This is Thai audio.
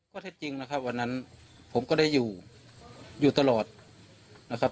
เท็จจริงนะครับวันนั้นผมก็ได้อยู่อยู่ตลอดนะครับ